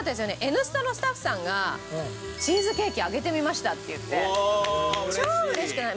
『Ｎスタ』のスタッフさんが「チーズケーキ揚げてみました」っていって超嬉しくない？